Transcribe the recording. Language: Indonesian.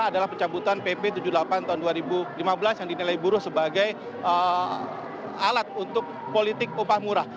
adalah pencabutan pp tujuh puluh delapan tahun dua ribu lima belas yang dinilai buruh sebagai alat untuk politik upah murah